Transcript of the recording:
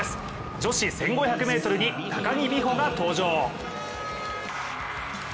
女子１５００ｍに高木美帆が登場。